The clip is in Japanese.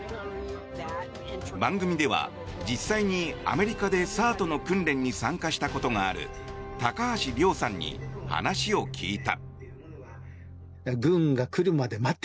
番組では、実際にアメリカでＣＥＲＴの訓練に参加したことがある高橋亮さんに話を聞いた。